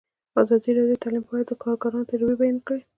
ازادي راډیو د تعلیم په اړه د کارګرانو تجربې بیان کړي.